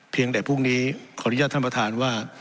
แต่พรุ่งนี้ขออนุญาตท่านประธานว่า